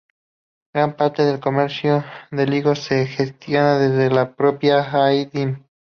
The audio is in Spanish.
Gran parte del comercio del higo se gestiona desde la propia Aydın.